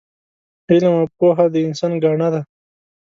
علم او پوه د انسان ګاڼه ده